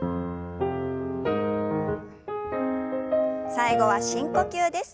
最後は深呼吸です。